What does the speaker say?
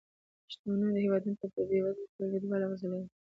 شتمنو هېوادونو ته د بې وزله خلکو کډوالۍ اغیزه لري